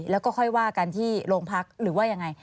แล้วก็ค่อยว่ากันที่โรงพักหรือว่ายังไง